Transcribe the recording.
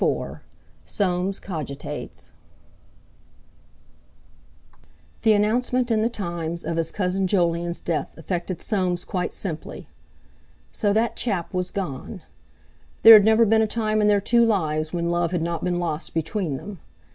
IV.—SOAMES COGITATES The announcement in The Times of his cousin Jolyon's death affected Soames quite simply. So that chap was gone! There had never been a time in their two lives when love had not been lost between them.